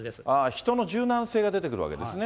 人の柔軟性が出てくるわけですね。